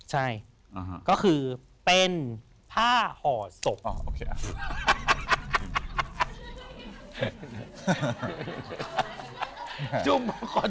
ใช่ก็คือเป็นผ้าห่อศพ